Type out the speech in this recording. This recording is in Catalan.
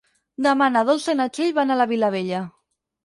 Demà na Dolça i na Txell van a la Vilavella.